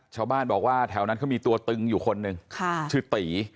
ชาวบ้านบอกว่าแถวนั้นเขามีตัวตึงอยู่คนหนึ่งชื่อตี